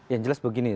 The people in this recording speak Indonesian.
yang jelas begini